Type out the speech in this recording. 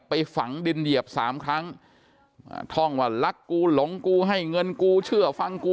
ไปฝังดินเหยียบสามครั้งท่องว่ารักกูหลงกูให้เงินกูเชื่อฟังกู